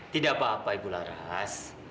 tidak apa apa ibu laras